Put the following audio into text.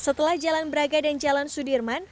setelah jalan braga dan jalan sudirman